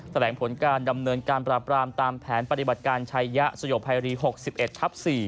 แถลงผลการดำเนินการปราบรามตามแผนปฏิบัติการชัยยะสยบภัยรี๖๑ทับ๔